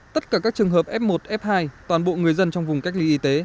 tất cả các trường hợp f một f hai toàn bộ người dân trong vùng cách ly y tế